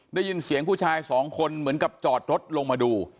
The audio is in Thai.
ได้ยินเสียงผู้ชายสองคนเหมือนกับจอดรถลงมาดู